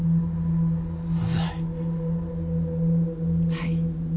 はい。